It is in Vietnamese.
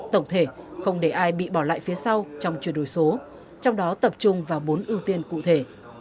tổng thể không để ai bị bỏ lại phía sau trong chuyển đổi số trong đó tập trung vào bốn ưu tiên cụ thể